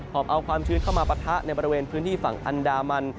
อบเอาความชื้นเข้ามาปะทะในบริเวณพื้นที่ฝั่งอันดามัน